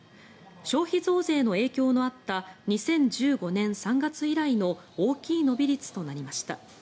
消費増税の影響のあった２０１５年３月以来の大きい伸び率となりました。